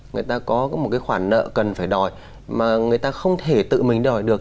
người ta có một cái khoản nợ cần phải đòi mà người ta không thể tự mình đòi được